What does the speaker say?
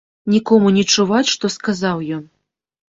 Нікому не чуваць, што сказаў ён.